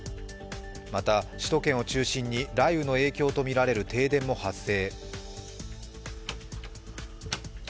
また首都圏を中心に雷雨の影響とみられる停電も発生。